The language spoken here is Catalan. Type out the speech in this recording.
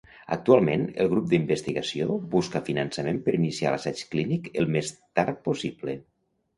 Actualment, el grup d'investigació busca finançament per iniciar l'assaig clínic el més tard possible.